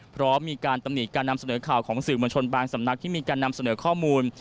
พร้อมมีการตำหนิการนำเสนอข่าวของสื่อมวลชนบางสำนักที่มีการนำเสนอข้อมูล